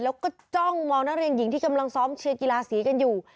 แล้วก็จ้องมองนักเรียนหญิงที่กำลังซ้อมเชียร์กีฬาสีกันอยู่